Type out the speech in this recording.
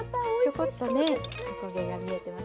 ちょこっとねお焦げが見えてます。